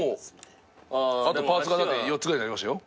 パーツが４つぐらいになりましたよ。